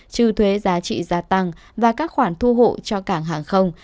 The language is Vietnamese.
trừ thuế giá trị gia tăng và các khoản thu hộ cho cảng hàng không